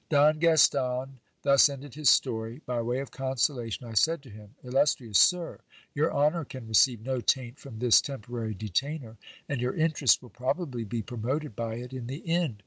Don Gaston thus ended his story. By way of consolation I said to him, Illustrious sir, your honour can receive no taint from this temporary detainer, and your interest will probably be promoted by it in the end.